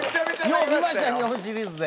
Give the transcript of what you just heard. よう見ました日本シリ―ズで。